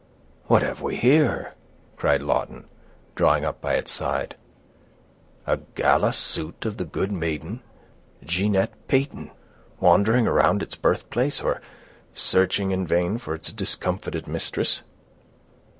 "What have we here?" cried Lawton, drawing up by its side. "A gala suit of the good maiden, Jeanette Peyton, wandering around its birthplace, or searching in vain for its discomfited mistress?"